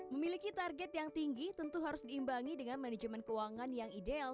memiliki target yang tinggi tentu harus diimbangi dengan manajemen keuangan yang ideal